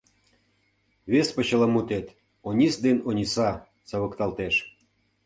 Вес почеламутет, «Онис ден Ониса», савыкталтеш.